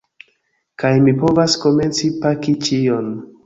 Kaj mi povas komeci paki ĉion.